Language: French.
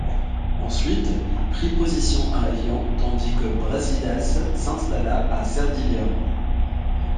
Ensuite, il prit position à Eion, tandis que Brasidas s'installa à Cerdylium.